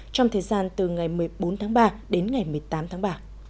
trong thời gian từ ngày một mươi bốn tháng ba đến ngày một mươi tám tháng ba